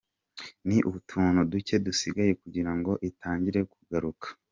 Ni utuntu duke dusigaye kugirango itangire kuguruka.